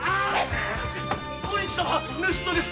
小西様盗っ人です！